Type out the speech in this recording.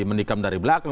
mendikam dari belakang